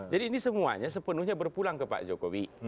jadi ini semuanya sepenuhnya berpulang ke pak jokowi